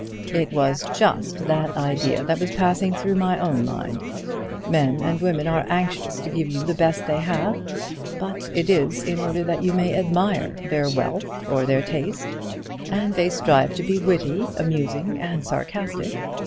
"It was just that idea that was passing through my own mind. Men and women are anxious to give you the best they have, but it is in order that you may admire their wealth or their taste; and they strive to be witty, amusing, and sarcastic!